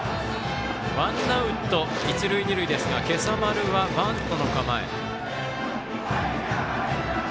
ワンアウト一塁二塁ですが今朝丸はバントの構え。